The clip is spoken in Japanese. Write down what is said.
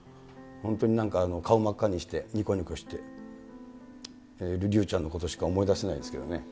本当になんか顔真っ赤にして、にこにこして、竜ちゃんのことしか思い出せないですね。